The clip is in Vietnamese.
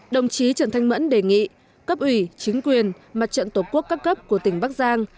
đồng chí trần thanh mẫn đề nghị cấp ủy chính quyền mặt trận tổ quốc các cấp của tỉnh bắc giang